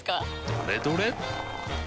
どれどれっ！